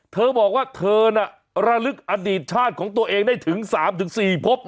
เธอบอกว่าเธอน่ะระลึกอดีตชาติของตัวเองได้ถึง๓๔พบ